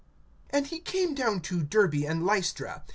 AND he came down to Derbe and Lystra.